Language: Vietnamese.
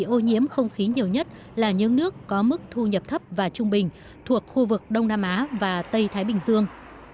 ô nhiễm không khí nhiều nhất là những nước có mức thu nhập thấp và trung bình thuộc khu vực đông nam á và tây thái bình dương